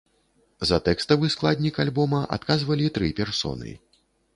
За тэкставы складнік альбома адказвалі тры персоны.